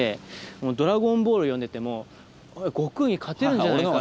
もう「ドラゴンボール」読んでても悟空に勝てるんじゃないか。